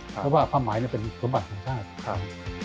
เพราะว่าความหมายเป็นสบัติของท่า